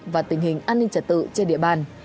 và tình hình an ninh trật tự trên địa bàn